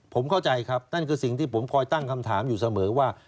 ผมเข้าใจครับนั่นคือสิ่งที่ผมคอยตั้งคำถามอยู่เสมอว่า